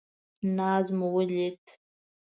ناز مو ولید.